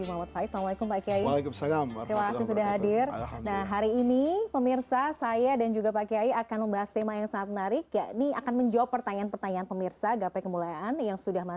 apa kabar pemirsa cnn indonesia